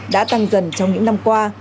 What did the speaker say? đã tăng dần trong những năm qua